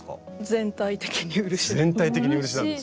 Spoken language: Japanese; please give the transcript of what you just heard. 全体的に漆なんですね。